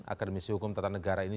akademisi hukum tata negara ini